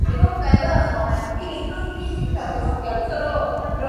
He was survived by his four sons.